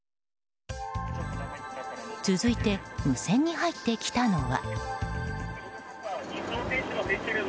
続いて、無線に入ってきたのは。